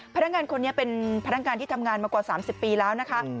พนักงานคนนี้เป็นพนักงานที่ทำงานมากว่า๓๐ปีแล้วนะคะ